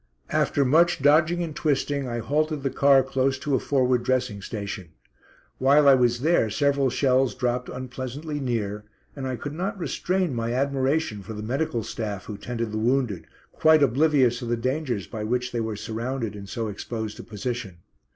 After much dodging and twisting I halted the car close to a forward dressing station. While I was there several shells dropped unpleasantly near, and I could not restrain my admiration for the medical staff who tended the wounded, quite oblivious of the dangers by which they were surrounded in so exposed a position.